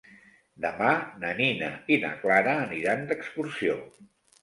Demà na Nina i na Clara aniran d'excursió.